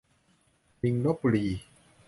ลิงลพบุรี